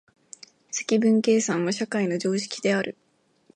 積分計算は社会の常識である。